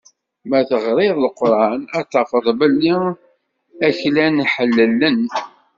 Ma teɣriḍ Leqran, ad tafeḍ belli aklan ḥellelen.